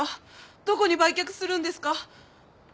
どこに売却するんですか？